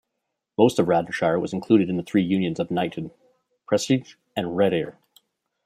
Most of Radnorshire was included in the three unions of Knighton, Presteigne and Rhayader.